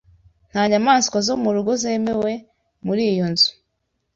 Nta nyamaswa zo mu rugo zemewe muri iyo nzu.